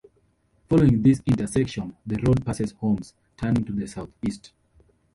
Following this intersection, the road passes homes, turning to the southeast.